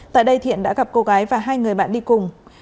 tại đây thiện đã gặp cô gái và hai người bạn đi cùng